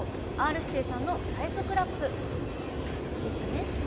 Ｒ‐指定さんの最速ラップですね。